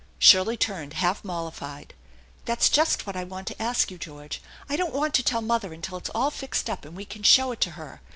Shirley turned, half mollified. " That's just what I want to ask you, George. I don't want to tell mother until it's all fixed up and we can show if to her.